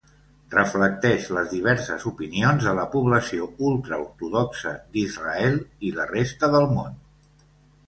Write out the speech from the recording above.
Reflecteix les diverses opinions de la població ultraortodoxa d'Israel i la resta del món.